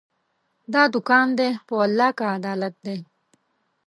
دا دوکان دی، په والله که عدالت دی